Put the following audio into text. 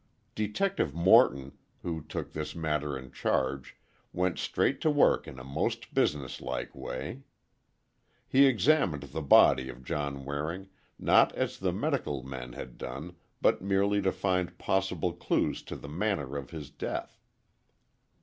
Detective Morton, who took this matter in charge, went straight to work in a most business like way. He examined the body of John Waring, not as the medical men had done, but merely to find possible clues to the manner of his death.